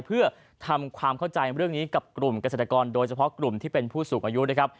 เพื่อทำความเข้าใจเรื่องนี้กับกลุ่มเกษตรกรโดยเฉพาะกลุ่มที่เป็นผู้สูงอายุนะครับ